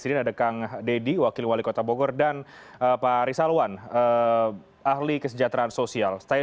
seorang co observer dari pen alias cewek entah apakah dedi wakil wali kota bogor dan pak risalwan ahli kesejahteraan sosial